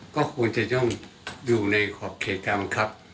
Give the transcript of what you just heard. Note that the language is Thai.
ก็ควรจะย่อมอยู่ในขอบเขตการบังคับ